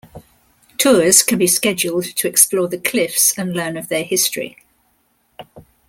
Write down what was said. Tours can be scheduled to explore the cliffs and learn of their history.